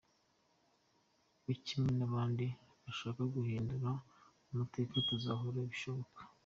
We kimwe n’abandi bashaka guhindura amateka tuzakora ibishoboka.